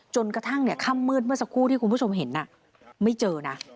จนกระทั่งค่ำมืดเมื่อสักครู่ที่คุณผู้ชมเห็นไม่เจอนะ